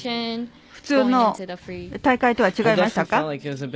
普通の大会とは違いましたか？